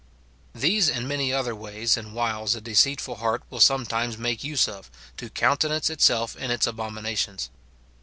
These and many other ways and wiles a deceitful heart will sometimes make use of, to countenance itself in its abominations.